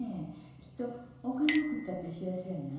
きっとお金送ったっていう知らせやない？